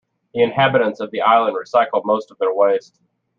The inhabitants of the island recycle most of their waste.